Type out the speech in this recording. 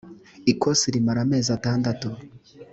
ikosi rimara amezi atandatu.